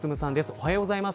おはようございます。